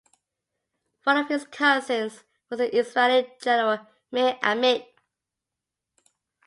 One of his cousins was the Israeli general Meir Amit.